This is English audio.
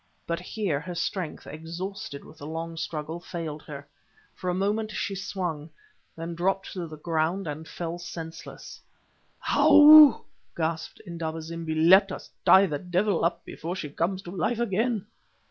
But here her strength, exhausted with the long struggle, failed her. For a moment she swung, then dropped to the ground and fell senseless. "Ou!" gasped Indaba zimbi. "Let us tie the devil up before she comes to life again."